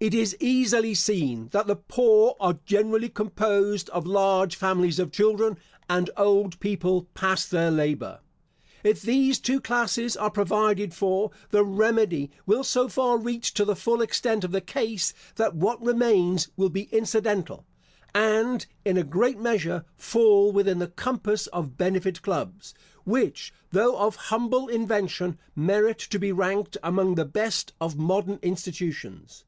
It is easily seen, that the poor are generally composed of large families of children, and old people past their labour. If these two classes are provided for, the remedy will so far reach to the full extent of the case, that what remains will be incidental, and, in a great measure, fall within the compass of benefit clubs, which, though of humble invention, merit to be ranked among the best of modern institutions.